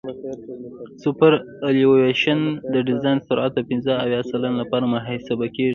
سوپرایلیویشن د ډیزاین سرعت د پنځه اویا سلنه لپاره محاسبه کیږي